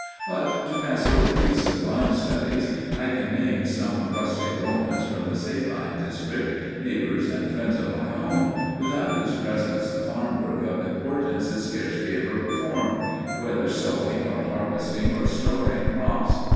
But, to pass over these sublime studies, I can name some rustic Romans from the Sabine district, neighbours and friends of my own, without whose presence farm work of importance is scarcely ever performed whether sowing, or harvesting or storing crops.